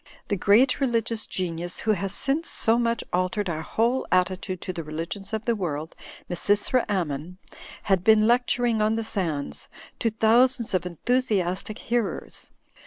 The great religious genius who has since so much altered our whole attitude to the religions of the world, Misysra Ammon, had been lecturing on the sands to thousands of enthusiastic hearers.